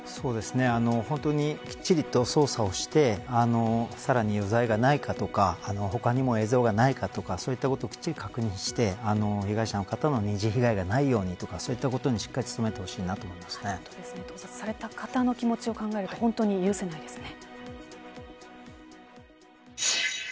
本当に、きっちりと捜査をしてさらに余罪がないかとか他にも映像がないかとかそういったことをきっちり確認して被害者の方の２次被害がないようにとかそういったことにしっかり務めてほしいと盗撮された方の気持ちを考えると本当に許せないですね。